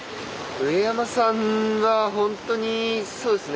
上山さんが本当にそうですね。